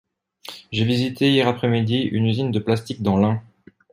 J’ai visité hier après-midi une usine de plastique dans l’Ain.